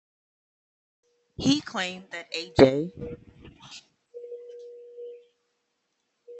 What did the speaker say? He claimed that A. J.